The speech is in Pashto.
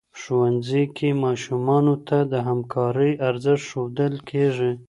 ښوونځي کي ماشومانو ته د همکارۍ ارزښت ښودل کيږي.